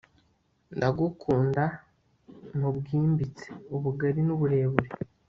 ndagukunda mubwimbitse, ubugari n'uburebure